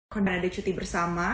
karena ada cuti bersama